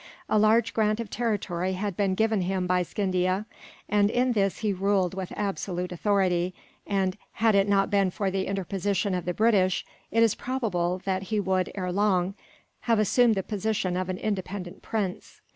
A large grant of territory had been given him by Scindia, and in this he ruled with absolute authority and, had it not been for the interposition of the British, it is probable that he would, ere long, have assumed the position of an independent prince.